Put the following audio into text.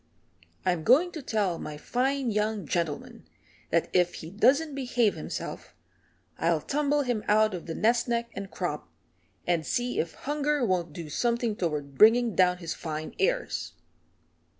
I'm going to tell my fine young gentleman that if he doesn't behave himself I'll tumble him out of the nest neck and crop, and see if hunger won't do something toward bringing down his fine airs."